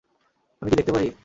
আমি কী দেখতে পারি?